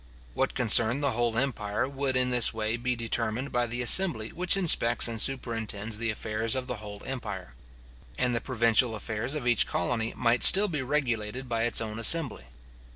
What concerned the whole empire would in this way be determined by the assembly which inspects and superintends the affairs of the whole empire; and the provincial affairs of each colony might still be regulated by its own assembly.